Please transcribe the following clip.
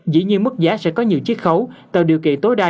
dĩ nhiên mức giá sẽ có nhiều chiếc khấu tạo điều kiện tối đa